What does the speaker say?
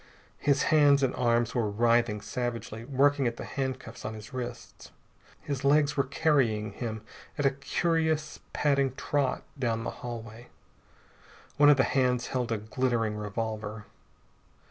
His hands and arms were writhing savagely, working at the handcuffs on his wrists. His legs were carrying him at a curious, padding trot down the hallway. One of the hands held a glittering revolver.